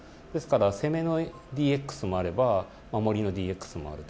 攻めのＤＸもあれば守りのＤＸもある。